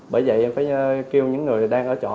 bởi vậy em phải kêu những người đang ở chỗ